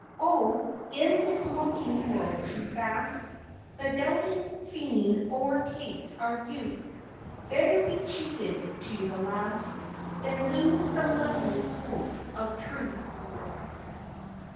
209 Oh, in this mocking world too fast The doubting fiend o'ertakes our youth ! Better be cheated to the last Than lose the blessed hope of truth.